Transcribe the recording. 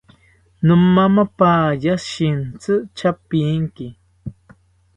Nomamapaya shintzi tyapinki